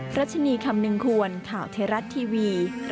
โปรดติดตามตอนต่อไป